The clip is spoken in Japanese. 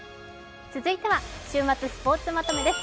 続いては週末スポーツまとめです。